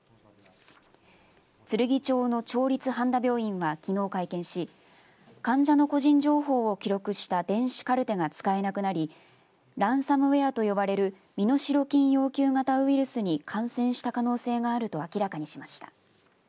つるぎ町の町立半田病院はきのう会見し患者の個人情報を記録した電子カルテが使えなくなりランサムウエアと呼ばれる身代金要求型ウイルスに感染した可能性があると明らかにしました。